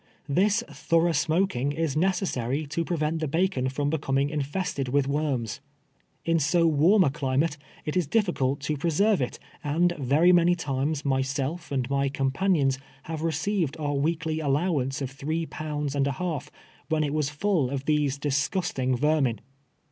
This thorough smoking is necessary to prevent the bacon from be coming infested with worms. In so warm a climate it is diflicult to preserve it, and very many times my self and my companions have received our weekly allowance of three pounds and a half, when it was full of these disgusting vermin.